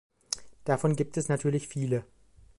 Davon gibt es natürlich viele.